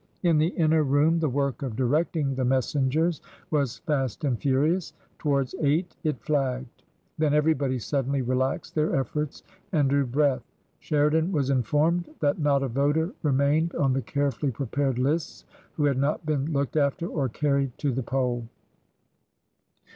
In the inner room the work of directing the messengers was fast and furious; towards eight it flagged. Then everybody suddenly relaxed their efforts and drew breath. Sheridan was informed that not a voter remained on the carefully prepared lists who had not been looked after or carried to the poll.